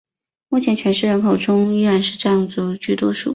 目前全市人口中依然是藏族居多数。